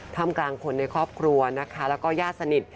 ทำกลางคนในครอบครัวนะคะแล้วก็ญาติสนิท